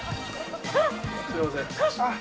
すみません。